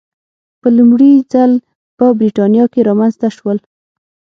په لومړي ځل په برېټانیا کې رامنځته شول.